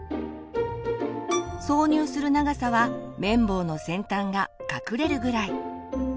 挿入する長さは綿棒の先端が隠れるぐらい。